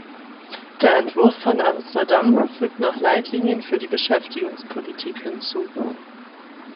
Der Entwurf von Amsterdam fügt noch Leitlinien für die Beschäftigungspolitik hinzu.